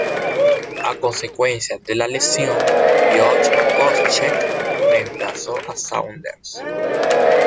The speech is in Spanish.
A consecuencia de la lesión, Josh Koscheck reemplazó a Saunders.